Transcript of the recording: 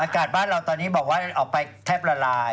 อากาศตอนนี้มาบอกว่าออกไปแทบละลาย